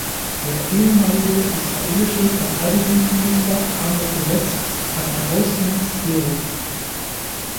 Der ehemalige israelische Verteidigungsminister Amir Peretz hat ein Haus in Sderot.